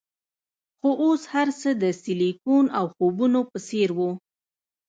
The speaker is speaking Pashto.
خو اوس هرڅه د سیلیکون او خوبونو په څیر وو